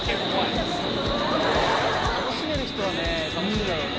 楽しめる人はね楽しいだろうね。